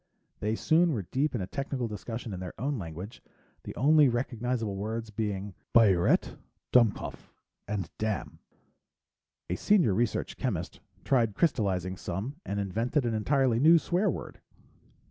They soon were deep in a technical discussion in their own language, the only recognizable words being "biuret," "dumkopf," and "damn." A senior research chemist tried crystalizing some and invented an entirely new swear word.